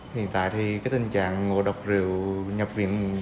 hiện tại tình trạng ngộ độc rượu nhập viện